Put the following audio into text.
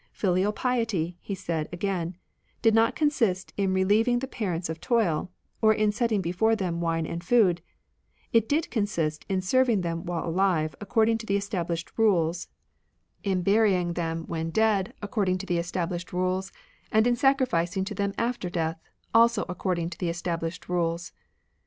Filial piety, he said again, did not consist in relieving the parents of toil, or in setting before them wine and food ; it did consist in serving them while aJive according to the estabUshed rules, in burying them when 31 RELIGIONS OF ANCIENT CHINA dead according to the established rules, and in sacrificing to them after death, also according to the established rules.